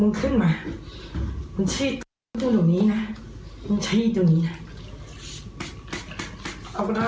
เอากระดาษจิตตู้เฉยข้างถนนนี้ย้ายไม่มีปลิ๊บนะ